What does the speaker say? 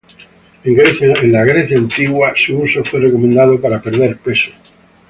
En Grecia antigua su uso fue recomendado para perder peso.